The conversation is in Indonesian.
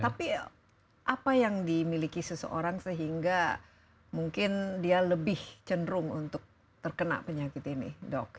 tapi apa yang dimiliki seseorang sehingga mungkin dia lebih cenderung untuk terkena penyakit ini dok